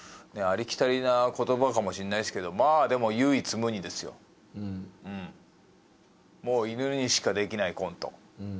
ありきたりな言葉かもしんないっすけどまあでも唯一無二ですよもういぬにしかできないコント